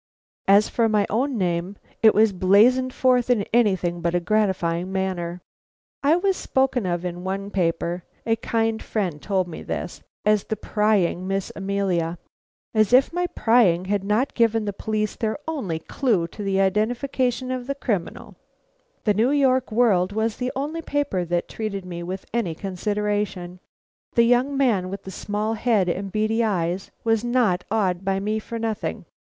As for my own name, it was blazoned forth in anything but a gratifying manner. I was spoken of in one paper a kind friend told me this as the prying Miss Amelia. As if my prying had not given the police their only clue to the identification of the criminal. The New York World was the only paper that treated me with any consideration. That young man with the small head and beady eyes was not awed by me for nothing.